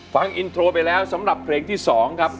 ฟังอินโทรไปแล้วสำหรับเพลงที่๒ครับ